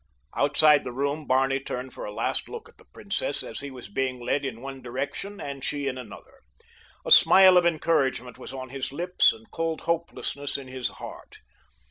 Outside the room Barney turned for a last look at the princess as he was being led in one direction and she in another. A smile of encouragement was on his lips and cold hopelessness in his heart.